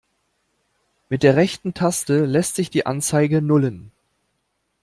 Mit der rechten Taste lässt sich die Anzeige nullen.